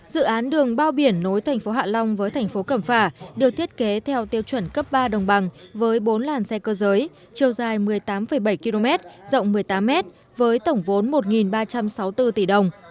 dự án đường bao biển nối thành phố hạ long với thành phố cẩm phả được thiết kế theo tiêu chuẩn cấp ba đồng bằng với bốn làn xe cơ giới chiều dài một mươi tám bảy km rộng một mươi tám m với tổng vốn một ba trăm sáu mươi bốn tỷ đồng